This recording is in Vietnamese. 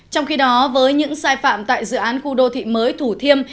trong khi đó với những sai phạm tại dự án khu đô thị mới thủ thiêm